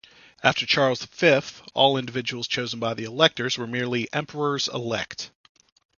After Charles the Fifth, all individuals chosen by the electors were merely "Emperors elect".